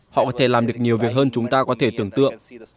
họ có thể làm được nhiều việc hơn chúng ta có thể tưởng tượng